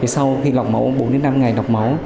sau khi lọc máu bốn năm ngày lọc máu